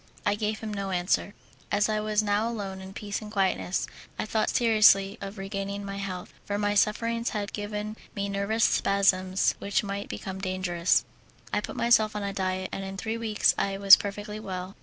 I gave him no answer. As I was now alone in peace and quietness, I thought seriously of regaining my health, for my sufferings had given me nervous spasms which might become dangerous. I put myself on diet, and in three weeks I was perfectly well.